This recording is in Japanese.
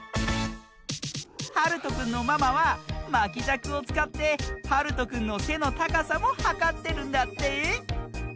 はるとくんのママはまきじゃくをつかってはるとくんのせのたかさもはかってるんだって。